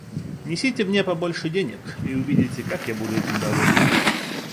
Несите мне побольше денег, и вы увидите, как я буду этим доволен.